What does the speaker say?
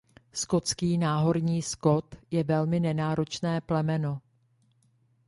Skotský náhorní skot je velmi nenáročné plemeno.